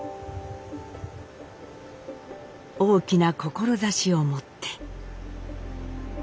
大きな志を持って。